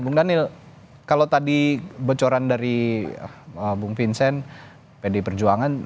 bung daniel kalau tadi bocoran dari bung vincent pdi perjuangan